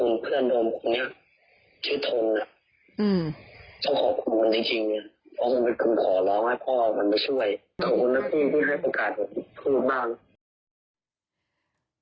นะครับ